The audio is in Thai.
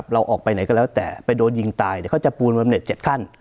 เราออกไปไหนก็แล้วแต่ไปโดนยิงตายเดี๋ยวเขาจะปูนบำเน็ต๗ขั้น